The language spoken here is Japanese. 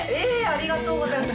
ありがとうございます。